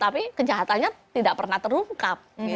tapi kejahatannya tidak pernah terungkap